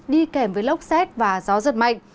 đi kèm với lốc xét và gió giật mạnh